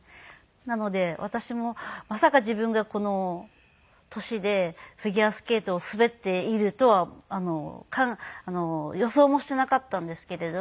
なので私もまさか自分がこの年でフィギュアスケートを滑っているとは予想もしていなかったんですけれども。